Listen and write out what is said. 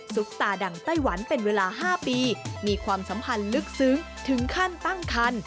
ซุปตาดังไต้หวันเป็นเวลา๕ปีมีความสัมพันธ์ลึกซึ้งถึงขั้นตั้งคัน